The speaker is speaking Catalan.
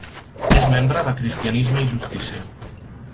És membre de Cristianisme i Justícia.